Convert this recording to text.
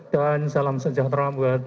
dan salam sejahtera buat